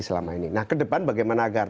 selama ini nah ke depan bagaimana agar